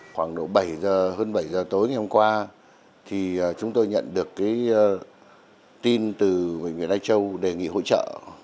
khoảng bảy giờ tối ngày hôm qua chúng tôi nhận được tin từ bệnh viện lai châu đề nghị hỗ trợ